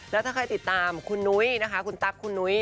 แล้วถ้าใครติดตามคุณนุ้ยนะคะคุณตั๊กคุณนุ้ย